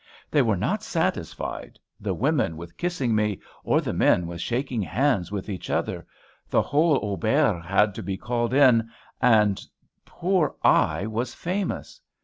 They were not satisfied, the women with kissing me, or the men with shaking hands with each other, the whole auberge had to be called in; and poor I was famous.